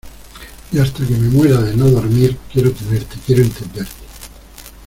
y hasta que me muera de no dormir, quiero tenerte , quiero entenderte.